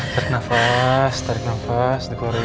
tarik nafas tarik nafas dikori